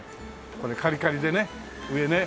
これカリカリでね上ね。